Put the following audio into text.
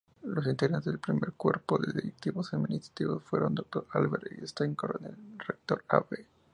Los integrantes del primer cuerpo de directivos-administrativos fueron: Dr. Alberto Stagg Coronel, Rector; Ab.